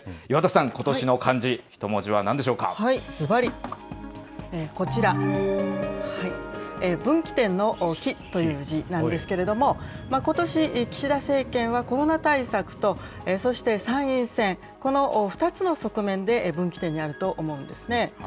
岩田さん、ことしの漢字一文字はずばり、こちら、分岐点の岐という字なんですけれども、ことし、岸田政権は、コロナ対策と、そして参院選、この２つの側面で分岐点になると思うんですね。